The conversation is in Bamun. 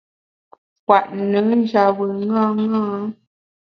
Kwet nùn njap bùn ṅaṅâ.